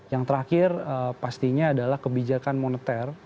yang terakhir pastinya adalah kebijakan moneter